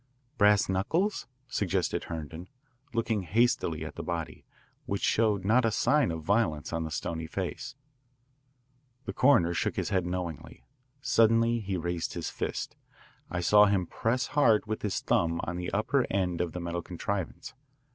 "Brass knuckles?" suggested Herndon, looking hastily at the body, which showed not a sign of violence on the stony face. The coroner shook his head knowingly. Suddenly he raised his fist. I saw him press hard with his thumb on the upper end of the metal contrivance.